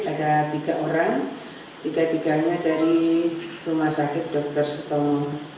ada tiga orang tiga tiganya dari rumah sakit dr sutomo